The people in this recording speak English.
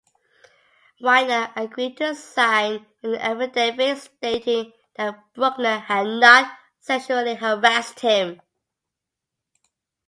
Widener agreed to sign an affidavit stating that Brookner had not sexually harassed him.